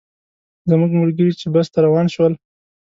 زموږ ملګري چې بس ته روان شول.